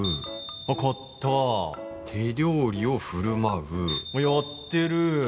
あっ買った「手料理をふるまう」やってる